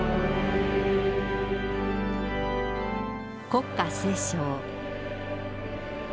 国歌斉唱。